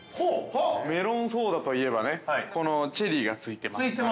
メロンソーダといえばチェリーが付いてますから。